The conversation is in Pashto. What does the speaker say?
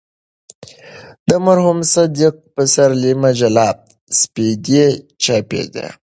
د مرحوم صدیق پسرلي مجله "سپېدې" چاپېده.